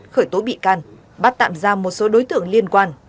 khởi tố bị can bắt tạm ra một số đối tượng liên quan